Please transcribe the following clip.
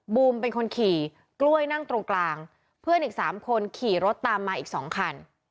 บูมเป็นคนขี่กล้วยนั่งตรงกลางเพื่อนอีกสามคนขี่รถตามมาอีกสองคัน